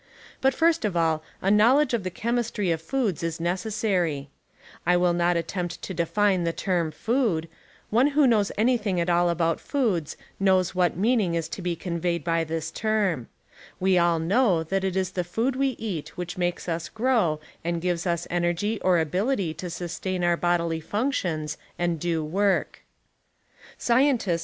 But first of all, a knowledge of the chemistry of foods is neces sary. I will not attempt to define the term "food" — one who knows anything at all about foods knows what meaning is to be conveyed by this term. We all know that it is the food we eat which makes us grow and gives us energy or ability to sustain our bodily functions and do work. *See also: Fisher: P/iysio/ogy of ^/ifnentmion. Stiles: Nuttitional FAyiio/ojr\.